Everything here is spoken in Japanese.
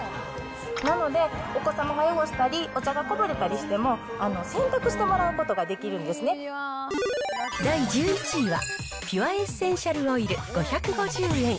なので、お子さまが汚したり、お茶がこぼれたりしても、洗濯してもらうこ第１１位はピュアエッセンシャルオイル５５０円。